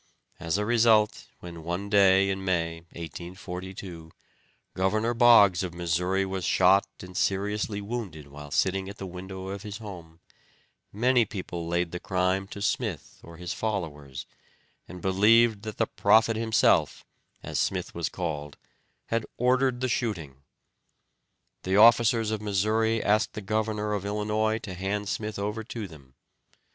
As a result, when, one day in May, 1842, Governor Boggs of Missouri was shot and seriously wounded while sitting at the window of his home, many people laid the crime to Smith or his followers, and believed that the prophet himself, as Smith was called, had ordered the shooting. The officers of Missouri asked the governor of Illinois to hand Smith over to them.